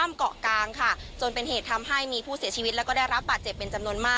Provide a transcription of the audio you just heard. เราก็จะมาสู่บริเวณจุดเกิดเหตุนะคะ